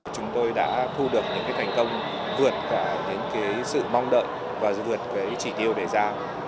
chúng tôi đã thu được những thành công vượt cả những sự mong đợi và vượt chỉ tiêu đề ra